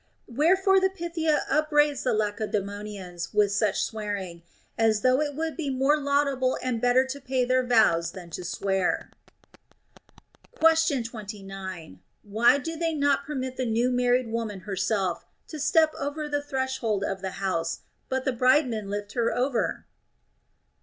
Wherefore the Pythia upbraids the Lacedaemonians with such swearing, as though it would be more laudable and better to pay their vows than to swear. Question 29. Why do they not permit the new married THE ROMAN QUESTIONS 221 woman herself to step over the threshold of the house, but the bridemen lift her over